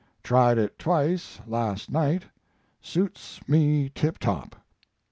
Tried it twice last night; suits me tiptop.